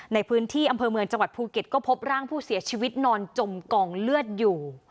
ในพื้นที่อำเภอเมืองจังหวัดภูเก็ตก็พบร่างผู้เสียชีวิตนอนจมกองเลือดอยู่